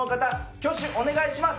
挙手お願いします